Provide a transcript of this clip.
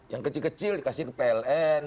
yang kecil kecil dikasih ke pln